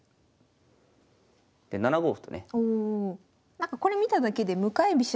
なんかこれ見ただけで向かい飛車